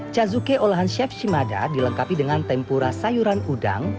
cazuke olahan chef shimada dilengkapi dengan tempura sayuran udang